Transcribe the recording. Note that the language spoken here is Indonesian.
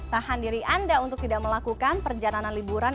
tahan diri anda untuk tidak melakukan perjalanan liburan